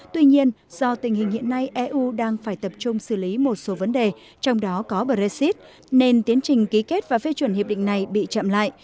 tuy nhiên do tình hình hiện nay eu đang phải tập trung xử lý một số vấn đề trong đó có brexit nên tiến trình ký kết và phê chuẩn hiệp định này bị chậm lại